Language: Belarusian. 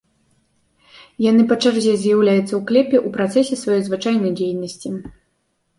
Яны па чарзе з'яўляюцца ў кліпе ў працэсе сваёй звычайнай дзейнасці.